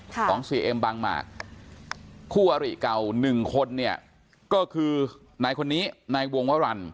ของเสียเอ็มบางหมากคู่อริเก่าหนึ่งคนเนี่ยก็คือนายคนนี้นายวงวรรณ